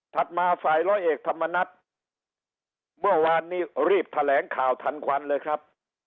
มาฝ่ายร้อยเอกธรรมนัฐเมื่อวานนี้รีบแถลงข่าวทันควันเลยครับ